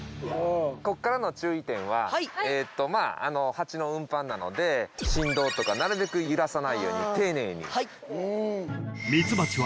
こっからの注意点はまあハチの運搬なので振動とかなるべく揺らさないように丁寧に。